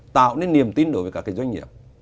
tạo nên niềm tin đối với các doanh nghiệp